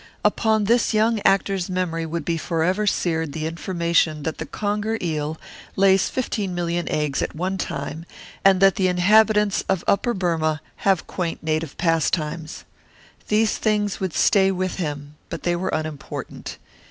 Upon this young actor's memory would be forever seared the information that the conger eel lays fifteen million eggs at one time and that the inhabitants of Upper Burmah have quaint native pastimes. These things would stay with him, but they were unimportant.